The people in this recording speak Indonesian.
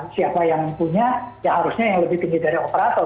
siapa yang punya ya harusnya yang lebih tinggi dari operator